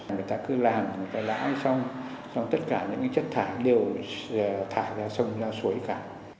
người ta cứ làm người ta đã xong xong tất cả những chất thải đều thả ra sông ra suối cả